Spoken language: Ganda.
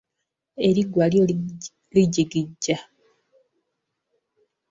Eriggwa lyo lijigija.